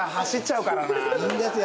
いいんですよ。